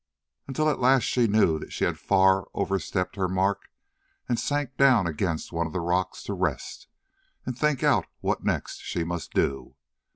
Until at last she knew that she had far overstepped her mark and sank down against one of the rocks to rest and think out what next she must do.